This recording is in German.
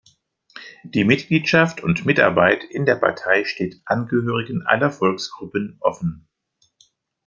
Die Mitgliedschaft und Mitarbeit in der Partei steht Angehörigen aller Volksgruppen offen.